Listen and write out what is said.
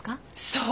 そう。